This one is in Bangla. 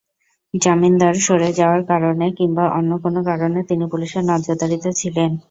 জামিনদার সরে যাওয়ার কারণে কিংবা অন্য কোনো কারণে তিনি পুলিশের নজরদারিতে ছিলেন।